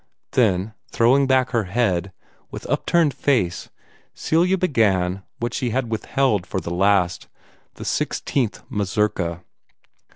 Then, throwing back her head, with upturned face, Celia began what she had withheld for the last the Sixteenth Mazurka.